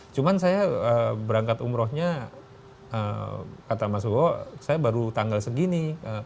cuma saya berangkat umrohnya kata mas ugo saya baru tanggal segini